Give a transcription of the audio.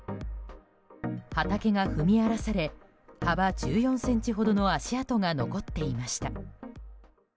畑が踏み荒らされ幅１４ｃｍほどの足跡が残っていました。